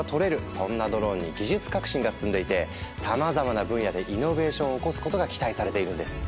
そんなドローンに技術革新が進んでいてさまざまな分野でイノベーションを起こすことが期待されているんです。